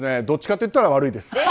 どっちかと言ったら悪いです。